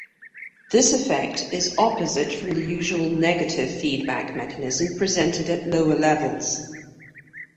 This effect is opposite from the usual negative feedback mechanism presented at lower levels.